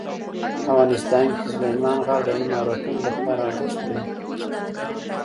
افغانستان کې سلیمان غر د نن او راتلونکي لپاره ارزښت لري.